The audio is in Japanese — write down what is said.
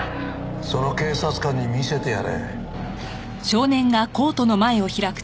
その警察官に見せてやれ。